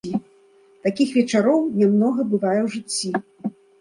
Такіх вечароў нямнога бывае ў жыцці.